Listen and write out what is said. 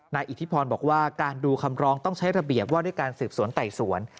อิทธิพรบอกว่าการดูคำร้องต้องใช้ระเบียบว่าด้วยการสืบสวนไต่สวน